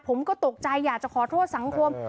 ผมก็ตกใจอยากจะขอโทษสังคม